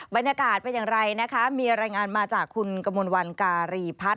บรรยากาศเป็นอย่างไรนะคะมีรายงานมาจากคุณกมลวันการีพัฒน์